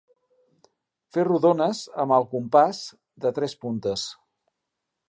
Fer rodones amb el compàs de tres puntes.